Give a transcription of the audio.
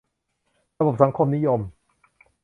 ระบบสังคมนิยม